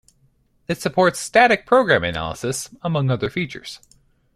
It supports static program analysis, among other features.